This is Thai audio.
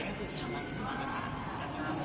ก็คือสถาบันพระมากษัตริย์